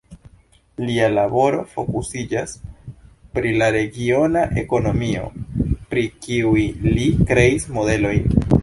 Lia laboro fokusiĝas pri la regiona ekonomio, pri kiuj li kreis modelojn.